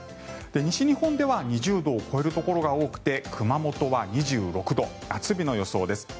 西日本では２０度を超えるところも多くて熊本は２６度夏日の予想です。